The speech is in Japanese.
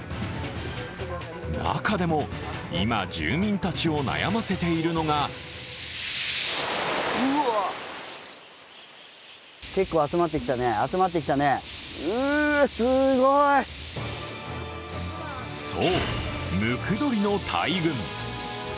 中でも今、住民たちを悩ませているのがそう、ムクドリの大群。